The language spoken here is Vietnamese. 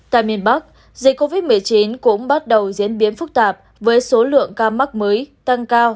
tại miền bắc dịch covid một mươi chín cũng bắt đầu diễn biến phức tạp với số lượng ca mắc mới tăng cao